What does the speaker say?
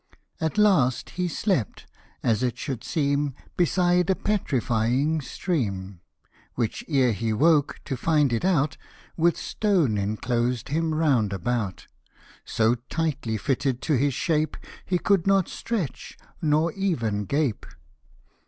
At last he slept, as it should seem, Beside a petrifying stream, Which ere he woke to find it out, With stone enclosed him, round about ; So tightly fitted to hi* shape, He could not stretch, nor even gape.